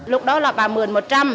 lúc đó là bà mượn một trăm linh